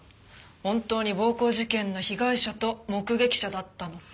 本当に暴行事件の被害者と目撃者だったのか？